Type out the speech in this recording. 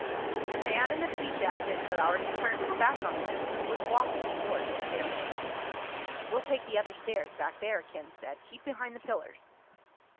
The man in the pea jacket had already turned his back on them and was walking toward the stairway. "We'll take the other stairs back there," Ken said. "Keep behind the pillars."